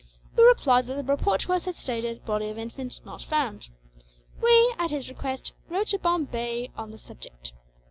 We replied that the report to us had stated, 'body of infant not found.' We, at his request, wrote to Bombay on the subject.